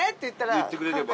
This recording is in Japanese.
言ってくれれば。